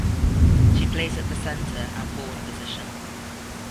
She plays at the Centre and Forward position.